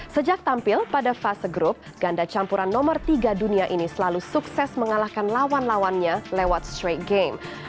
sejak tampil pada fase grup ganda campuran nomor tiga dunia ini selalu sukses mengalahkan lawan lawannya lewat straight game